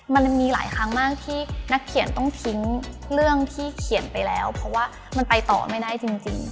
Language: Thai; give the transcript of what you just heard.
มันมีหลายครั้งมากที่นักเขียนต้องทิ้งเรื่องที่เขียนไปแล้วเพราะว่ามันไปต่อไม่ได้จริง